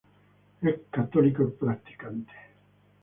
Es católico practicante.